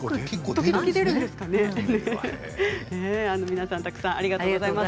皆さんたくさんありがとうございます。